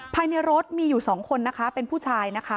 ภายในรถมีอยู่สองคนนะคะเป็นผู้ชายนะคะ